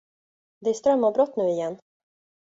Det är strömavbrott nu igen.